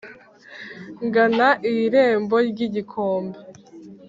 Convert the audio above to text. Ngana iy’Irembo ry’Igikombe